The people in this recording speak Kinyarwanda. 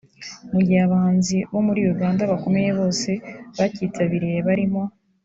mu gihe abahanzi bo muri Uganda bakomeye bose bakitabiriye barimo